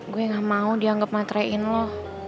gue ga mau dianggep matrein lo